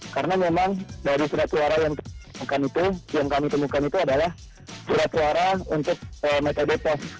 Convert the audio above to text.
karena memang dari surat suara yang kami temukan itu adalah surat suara untuk metode pos